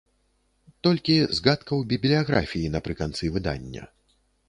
Толькі згадка ў бібліяграфіі напрыканцы выдання.